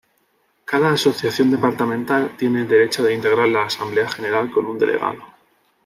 Cada Asociación Departamental tiene el derecho de integrar la Asamblea General con un delegado.